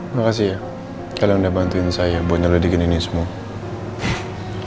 makasih ya kalian udah bantuin saya buat nyeledikin ini semua